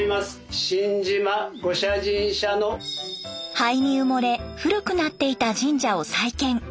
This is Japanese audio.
灰に埋もれ古くなっていた神社を再建。